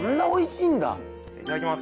いただきます。